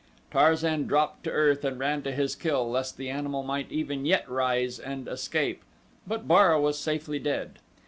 Tarzan dropped to earth and ran to his kill, lest the animal might even yet rise and escape; but Bara was safely dead.